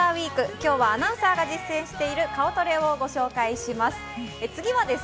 今日はアナウンサーが実践している顔トレをご紹介します。